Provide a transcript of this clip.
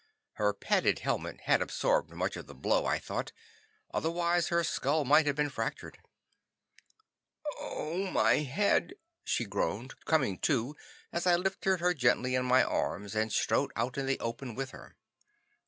Her padded helmet had absorbed much of the blow, I thought; otherwise, her skull might have been fractured. "Oh, my head!" she groaned, coming to as I lifted her gently in my arms and strode out in the open with her.